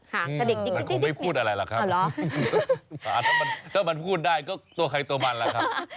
เด็กจริงมันคงไม่พูดอะไรหรอกครับถ้ามันพูดได้ก็ตัวใครตัวมันล่ะครับ